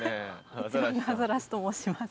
市場のアザラシと申します。